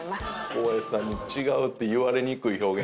小林さんに違うって言われにくい表現。